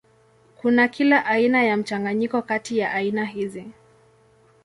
Kuna kila aina ya mchanganyiko kati ya aina hizi.